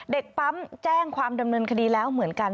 เด็กปั๊มแจ้งความดำเนินคดีแล้วเหมือนกัน